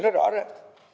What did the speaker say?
thế nó rõ ràng